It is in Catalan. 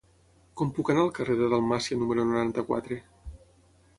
Com puc anar al carrer de Dalmàcia número noranta-quatre?